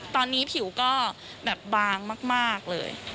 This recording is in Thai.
ตอนนี้ผิวก็แบบบางมากเลย